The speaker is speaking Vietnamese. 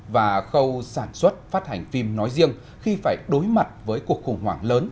và khâu sản xuất phát hành phim nói riêng khi phải đối mặt với cuộc khủng hoảng lớn